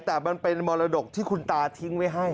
แต่มันเป็นมรดกที่คุณตาทิ้งไว้ให้